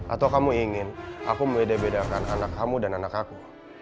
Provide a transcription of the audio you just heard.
atau kamu ingin aku membeda bedakan anak kamu dan anakku